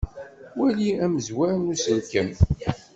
Wali amizzwer n uselkem.